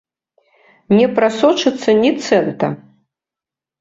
Не прасочыцца ні цэнта!